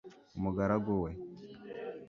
umugaragu we